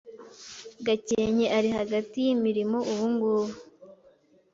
Gakenke ari hagati yimirimo ubungubu.